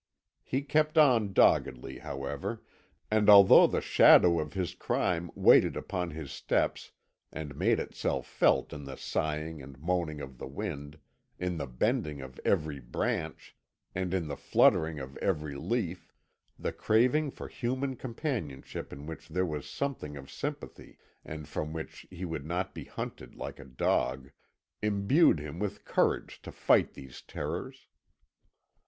He kept on doggedly, however, and although the shadow of his crime waited upon his steps, and made itself felt in the sighing and moaning of the wind, in the bending of every branch, and in the fluttering of every leaf, the craving for human companionship in which there was something of sympathy, and from which he would not be hunted like a dog, imbued him with courage to fight these terrors.